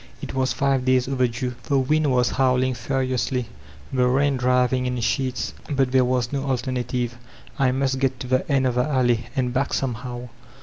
It was five days overdue. The wind was howling furiously, the rain driviqg in sheets, but there was no alternative; I must get to the ''End of the Alley" and back, somehow.